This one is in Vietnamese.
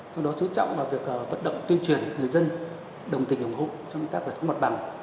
trong đó chú trọng vào việc vận động tuyên truyền người dân đồng tình ủng hộ trong các vật pháp mặt bằng